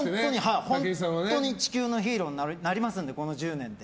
本当に地球のヒーローになりますので、この１０年で。